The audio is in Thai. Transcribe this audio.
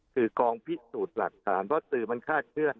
คือกองพิสูจน์หลักฐานเพราะสื่อมันฆ่าเชื้อ